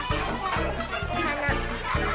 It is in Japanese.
はな。